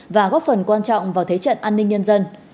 và góp phần quan trọng vào thế trận an ninh nhân dân